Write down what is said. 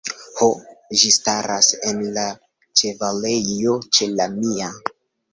Ho; ĝi staras en la ĉevalejo ĉe la mia.